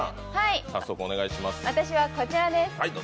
私はこちらです。